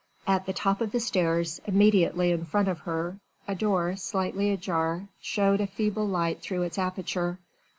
At the top of the stairs, immediately in front of her, a door slightly ajar showed a feeble light through its aperture.